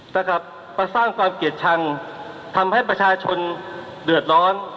นะครับมาสร้างความเกลียดชังทำให้ประชาชนเดือดร้อน